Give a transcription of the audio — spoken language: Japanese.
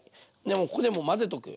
でここでもう混ぜとく。